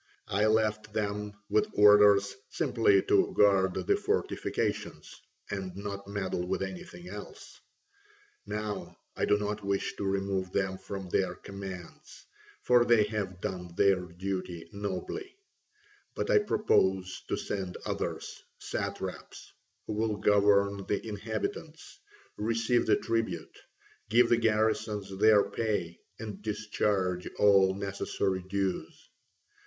I left them with orders simply to guard the fortifications and not meddle with anything else. Now I do not wish to remove them from their commands, for they have done their duty nobly, but I propose to send others, satraps, who will govern the inhabitants, receive the tribute, give the garrisons their pay, and discharge all necessary dues.